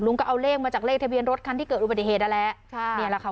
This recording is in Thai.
ก็เอาเลขมาจากเลขทะเบียนรถคันที่เกิดอุบัติเหตุนั่นแหละใช่นี่แหละค่ะ